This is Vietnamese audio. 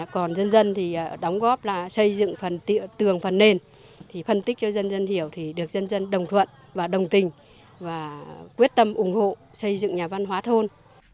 còn dân dân thì đóng góp là xây dựng phần tường phần nền thì phân tích cho dân dân hiểu thì được dân dân đồng thuận và đồng tình và quyết tâm ủng hộ xây dựng nhà văn hóa thôn